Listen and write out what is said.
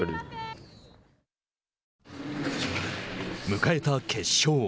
迎えた決勝。